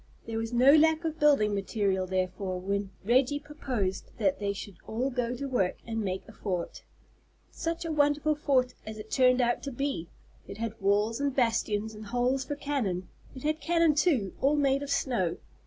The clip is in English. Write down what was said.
There was no lack of building material therefore when Reggie proposed that they should all go to work and make a fort. Such a wonderful fort as it turned out to be! It had walls and bastions and holes for cannon. It had cannon too, all made of snow.